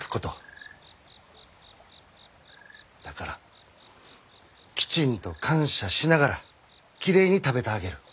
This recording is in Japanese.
だからきちんと感謝しながらきれいに食べてあげる。